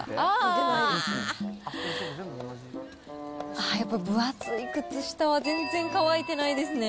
ああ、やっぱ分厚い靴下は全然乾いてないですね。